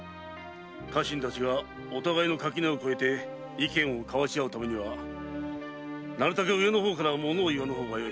家臣たちがお互いの垣根を越えて意見を交わしあうためにはなるたけ上の方からものを言わぬ方がよい。